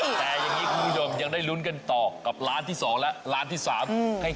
แต่อย่างนี้คุณผู้ชมยังได้ลุ้นกันต่อกับร้านที่๒และร้านที่๓